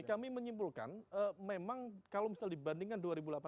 kami menyimpulkan memang kalau misalnya dibandingkan dua ribu delapan belas dua ribu sembilan belas